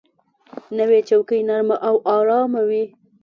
نوې چوکۍ نرمه او آرامه وي